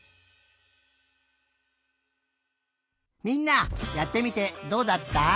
みんなやってみてどうだった？